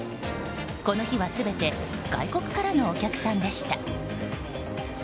この日は全て外国からのお客さんでした。